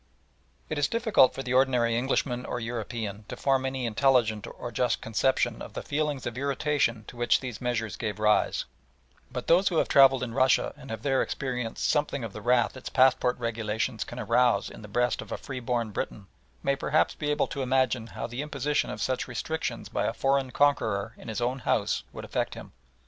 It is difficult for the ordinary Englishman or European to form any intelligent or just conception of the feelings of irritation to which these measures gave rise, but those who have travelled in Russia and have there experienced something of the wrath its passport regulations can arouse in the breast of a freeborn Briton, may perhaps be able to imagine how the imposition of such restrictions by a foreign conqueror in his own house would affect him.